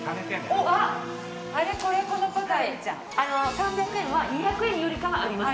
３００円は２００円よりかはあります。